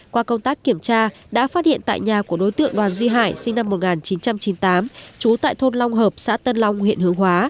qua công tác kiểm tra đã phát hiện tại nhà của đối tượng đoàn duy hải sinh năm một nghìn chín trăm chín mươi tám trú tại thôn long hợp xã tân long huyện hướng hóa